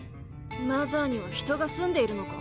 マザーには人が住んでいるのか？